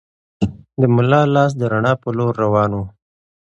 د ملا لاس د رڼا په لور روان و.